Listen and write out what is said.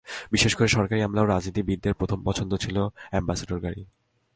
বিশেষ করে সরকারি আমলা ও রাজনীতিবিদদের প্রথম পছন্দ ছিল অ্যাম্বাসেডর গাড়ি।